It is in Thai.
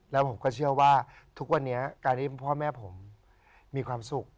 แล้วผมก็เชื่อว่าทุกวันนี้การที่พ่อแม่ผมมีความสุข